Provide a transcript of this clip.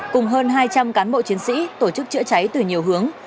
cùng hơn hai trăm linh cán bộ chiến sĩ tổ chức chữa cháy từ nhiều hướng